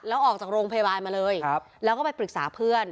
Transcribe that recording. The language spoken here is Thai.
แล้วออกจากโรงพยาบาลมาเลยแล้วก็ไปปรึกษาเพื่อน